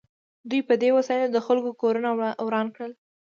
دوی په دې وسایلو د خلکو کورونه وران کړل